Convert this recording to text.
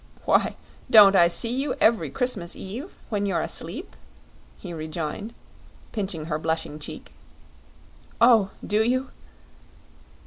"Why, don't I see you every Christmas Eve, when you're asleep?" he rejoined, pinching her blushing cheek. "Oh, do you?"